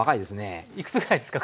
いくつぐらいですか？